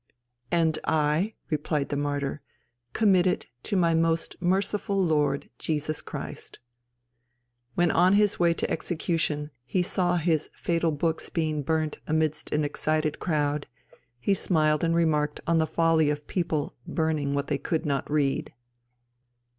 "And I," replied the martyr, "commit it to my most merciful Lord, Jesus Christ." When on his way to execution he saw his Fatal Books being burnt amidst an excited crowd, he smiled and remarked on the folly of people burning what they could not read.